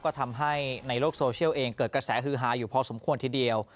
ก็ทำให้ในโลกโซเชียลเองเกิดกระแสฮือฮาอยู่พอสมควรทีเดียว